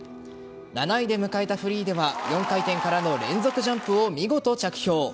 ７位で迎えたフリーでは４回転からの連続ジャンプを見事、着氷。